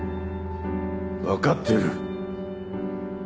わかっている！